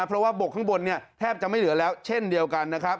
เพราะว่าบกข้างบนเนี่ยแทบจะไม่เหลือแล้วเช่นเดียวกันนะครับ